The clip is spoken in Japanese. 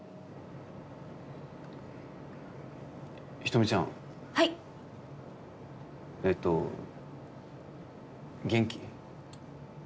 人見ちゃんはいえっと元気？